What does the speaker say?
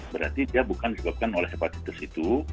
berarti dia bukan disebabkan oleh hepatitis itu